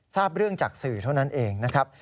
ทราบเรื่องจากสื่อเท่านั้นเองนะครับ